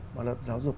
và luật giáo dục